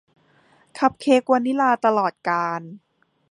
คัพเค้กวานิลลาตลอดกาล